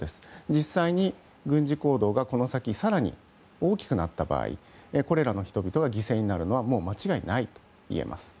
実際に軍事行動がこの先、更に大きくなった場合これらの人々が犠牲になるはもう間違いないといえます。